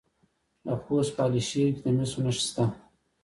د خوست په علي شیر کې د مسو نښې شته.